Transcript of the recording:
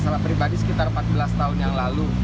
saya pribadi sekitar empat belas tahun yang lalu